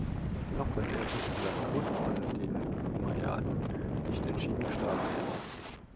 Dennoch konnte er bis zu seinem Tod von den Umayyaden nicht entscheidend geschlagen werden.